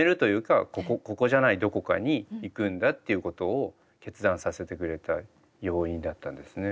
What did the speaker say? ここじゃないどこかに行くんだっていうことを決断させてくれた要因だったんですね。